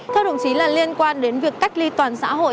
thưa đồng chí là liên quan đến việc cách ly toàn xã hội